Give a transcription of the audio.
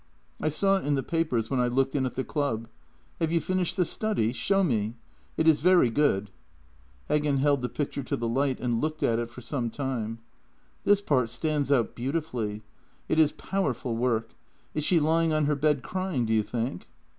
" I saw it in the papers when I looked in at the club. Have you finished the study? Show me. It is very good." Heg gen held the picture to the light and looked at it for some time. " This part stands out beautifully. It is powerful work. Is she lying on her bed crying, do you think?